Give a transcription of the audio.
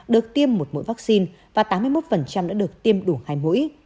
được tiêm một mũi vaccine và tám mươi một đã được tiêm đủ hai mũi